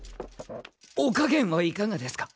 お加減はいかがですか？